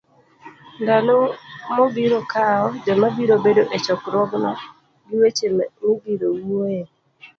ndalo mobiro kawo, joma biro bedo e chokruogno, gi weche mibiro wuoyoe,